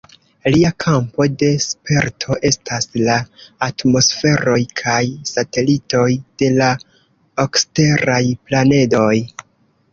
Lia kampo de sperto estas la atmosferoj kaj satelitoj de la eksteraj planedoj.